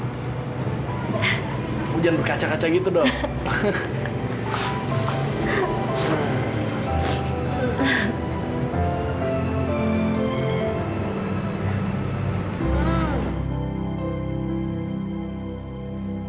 kamu jangan berkaca kaca gitu dong